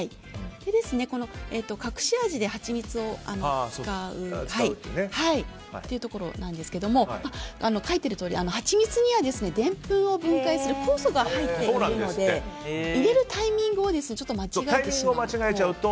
この隠し味でハチミツを使うというところなんですけど書いているとおり、ハチミツにはでんぷんを分解する入っているので入れるタイミングを間違えてしまうと。